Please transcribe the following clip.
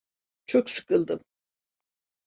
Çok sıkıldım.